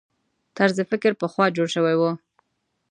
طرز فکر پخوا جوړ شوي وو.